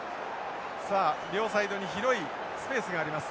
さあ両サイドに広いスペースがあります。